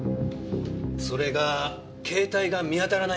それが携帯が見当たらないんです。